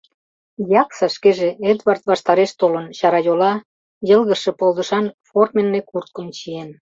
Дьякса шкеже Эдвард ваштареш толын: чарайола, йылгыжше полдышан форменный курткым чиен.